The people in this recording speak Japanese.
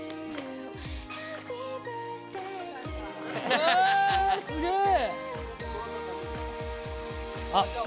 うわすげえ。